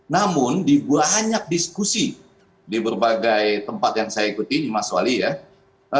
namun di banyak diskusi di berbagai tempat yang saya ikuti ini mas wali ya